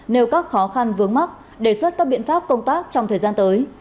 nêu các khó khăn vướng mắt đề xuất các biện pháp công tác trong thời gian tới